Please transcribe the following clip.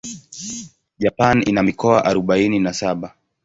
Japan ina mikoa arubaini na saba.